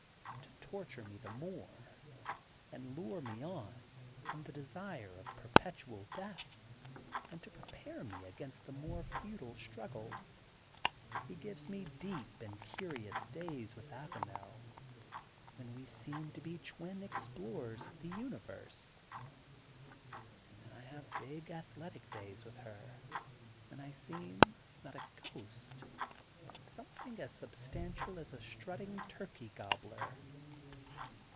To torture me the more and lure me on from the desire for perpetual death and to prepare me again for a more futile struggle, he gives me deep and curious days with Avanel, when we seem to be twin explor ers of the Universe. And then I have big athletic days with her when I seem, not a ghost, but something as substantial as a strutting turkey gobbler.